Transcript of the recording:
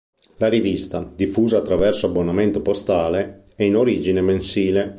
La rivista, diffusa attraverso abbonamento postale, è in origine mensile.